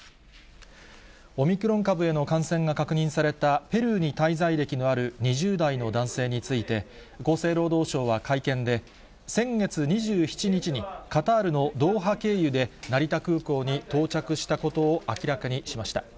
オミクロン株への感染が確認された、ペルーに滞在歴のある２０代の男性について、厚生労働省は会見で、先月２７日に、カタールのドーハ経由で、成田空港に到着したことを明らかにしました。